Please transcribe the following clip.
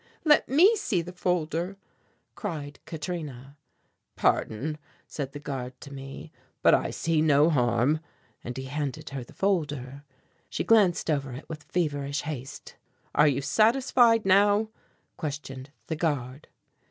"Let me see the folder!" cried Katrina. "Pardon," said the guard to me, "but I see no harm," and he handed her the folder. She glanced over it with feverish haste. "Are you satisfied now?" questioned the guard.